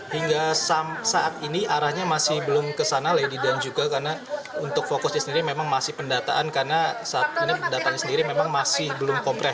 hingga saat ini arahnya masih belum kesana lady dan juga karena untuk fokusnya sendiri memang masih pendataan karena saat ini pendataannya sendiri memang masih belum kompreh